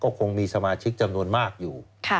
ก็คงมีสมาชิกจำนวนมากอยู่